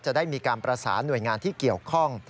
จะได้มีการประสานหน่วยงานที่เกี่ยวข้อง